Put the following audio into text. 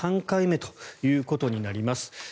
３回目ということになります。